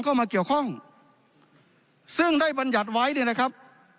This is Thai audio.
เข้ามาเกี่ยวข้องซึ่งได้บรรยัติไว้เนี่ยนะครับ